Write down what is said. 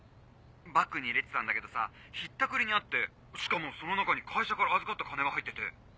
バッグに入れてたんだけどさひったくりに遭ってしかもその中に会社から預かった金が入ってて。